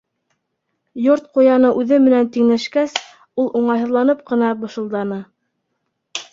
Йорт ҡуяны үҙе менән тиңләшкәс, ул уңайһыҙланып ҡына бышылданы: